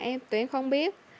em tụi em không biết